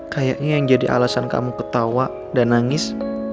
kayaknya yang jadi alasan kamu ketawa dan nangis